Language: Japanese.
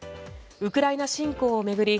ウクライナ侵攻を巡り